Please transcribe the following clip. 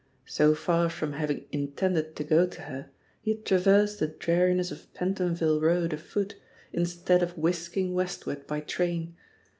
So far from having intended to go to her, he had traversed the dreariness of Pentonville Road afoot, instead of whisking westward by train.